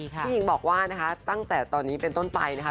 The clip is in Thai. หญิงบอกว่านะคะตั้งแต่ตอนนี้เป็นต้นไปนะคะ